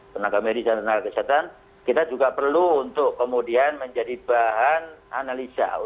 tenaga medis dan tenaga kesehatan kita juga perlu untuk kemudian menjadi bahan analisa